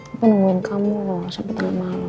aku nungguin kamu loh sampai tengah malam